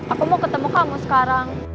aku mau ketemu kamu sekarang